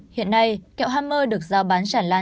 hiện nay kẹo hammer được giao bán trản lan